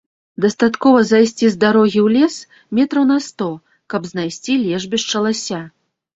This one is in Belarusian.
Дастаткова зайсці з дарогі ў лес метраў на сто, каб знайсці лежбішча лася.